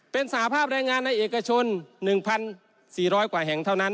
เป็นสหภาพแรงงานในเอกชน๑๔๐๐กว่าแห่งเท่านั้น